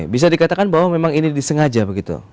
bisa dikatakan bahwa memang ini disengaja begitu